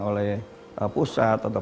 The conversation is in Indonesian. oleh pusat atau